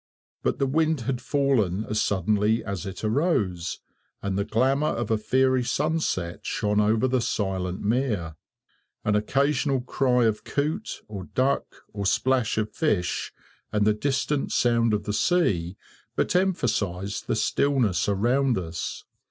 But the wind had fallen as suddenly as it arose, and the glamour of a fiery sunset shone over the silent mere. An occasional cry of coot, or duck, or splash of fish, and the distant sound of the sea, but emphasized the stillness around us.